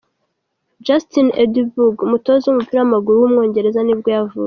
Justin Edinburgh, umutoza w’umupira w’amaguru w’umwongereza nibwo yavutse.